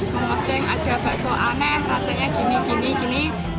mengosteng ada bakso aneh rasanya gini gini